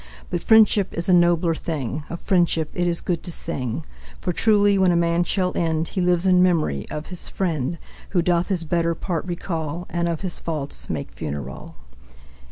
But Friendship is a nobler thing, Of Friendship it is good to sing. For truly, when a man shall end, He lives in memory of his friend, Who doth his better part recall, And of his faults make funeral.